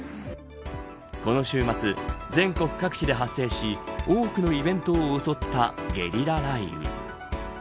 この週末、全国各地で発生し多くのイベントを襲ったゲリラ雷雨。